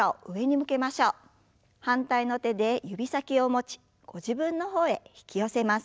反対の手で指先を持ちご自分の方へ引き寄せます。